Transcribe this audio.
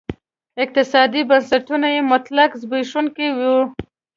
اقتصادي بنسټونه یې مطلق زبېښونکي وو.